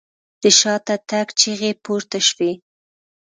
د شاته تګ چيغې پورته شوې.